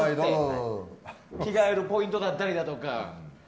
着替えるポイントだったりとか。